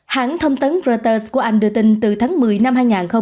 hãng thông tấn reuters của anh đưa tin từ tháng một mươi năm hai nghìn hai mươi ba